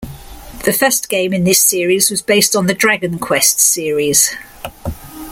The first game in this series was based on the "Dragon Quest" series.